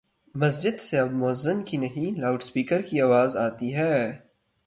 مسجد سے اب موذن کی نہیں، لاؤڈ سپیکر کی آواز آتی ہے۔